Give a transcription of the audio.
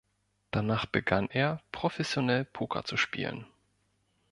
Danach begann er, professionell Poker zu spielen.